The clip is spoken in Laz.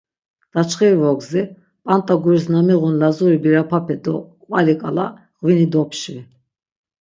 Daçxiri vogzi, p̆ant̆a guris na miğun Lazuri birapape do qvali k̆ala ğvini dopşvi.